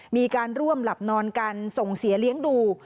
มีการร่วมหลับนอนกันส่งเสียเลี้ยงดู